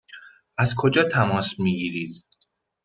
از کجا تماس می گیرید؟